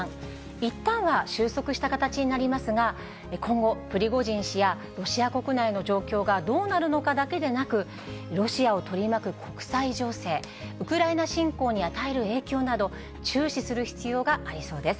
いったんは収束した形になりますが、今後、プリゴジン氏やロシア国内の状況がどうなるのかだけでなく、ロシアを取り巻く国際情勢、ウクライナ侵攻に与える影響など、注視する必要がありそうです。